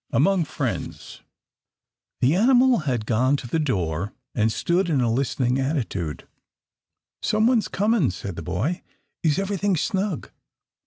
AMONG FRIENDS. The animal had gone to the door, and stood in a listening attitude. "Some one's comin'," said the boy. "Is everythin' snug?"